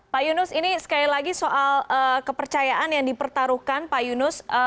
pak yunus ini sekali lagi soal kepercayaan yang dipertaruhkan pak yunus